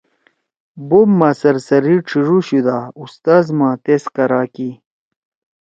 بوپ ما کا سرسری ڇھیِڙُوشُودا اُستاذ ما تیس کرا کی